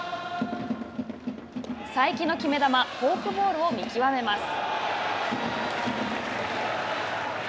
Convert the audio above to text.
才木の決め球フォークボールを見極めます。